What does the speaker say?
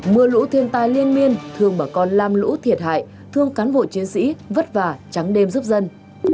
mưa lũ thiên tai liên miên thường bà con lam lũ thiệt hại thương cán bộ chiến sĩ vất vả trắng đêm giúp dân